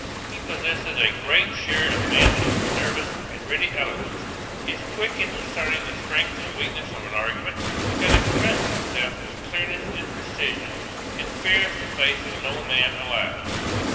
'He possesses a great share of manly, nervous, and ready eloquence; is quick in discerning the strength and weakness of an argument; can express himself with clearness and precision, and fears the face of no man alive.